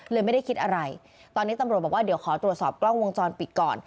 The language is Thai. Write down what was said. ไม่ได้คิดอะไรตอนนี้ตำรวจบอกว่าเดี๋ยวขอตรวจสอบกล้องวงจรปิดก่อน